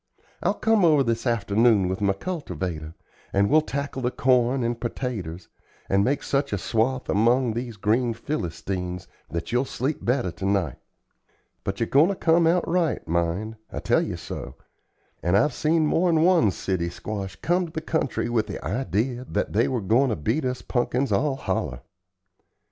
I'll come over this afternoon with my cultivator, and we'll tackle the corn and pertaters, and make such a swath among these green Philistines that you'll sleep better to night. But ye're goin' to come out right, mind, I tell ye so; and I've seen mor'n one city squash come to the country with the idee that they were goin' to beat us punkins all holler."